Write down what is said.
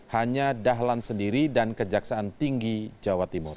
hanya dahlan sendiri dan kejaksaan tinggi jawa timur